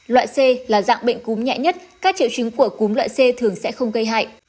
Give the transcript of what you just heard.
loại c là dạng bệnh cúm nhẹ nhất các triệu chứng của cúm loại c thường sẽ không gây hại